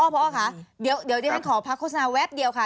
อ๋อพอค่ะเดี๋ยวให้ขอพักโฆษณาแว๊บเดียวค่ะ